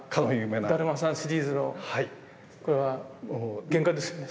「だるまさん」シリーズのこれは原画ですよね。